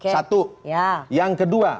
satu yang kedua